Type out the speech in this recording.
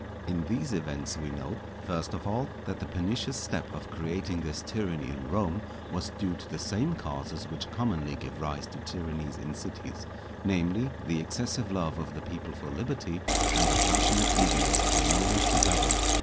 In these events we note, first of all, that the pernicious step of creating this tyranny in Rome was due to the same causes which commonly give rise to tyrannies in cities; namely, the excessive love of the people for liberty, and the passionate eagerness of the nobles to govern.